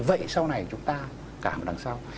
vậy sau này chúng ta cảm đằng sau